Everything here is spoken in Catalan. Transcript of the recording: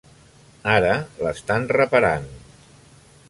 Ara l'estant reparant.